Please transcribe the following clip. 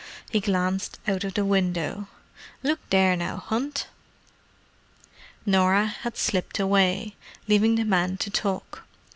He glanced out of the window. "Look there now, Hunt!" Norah had slipped away, leaving the men to talk.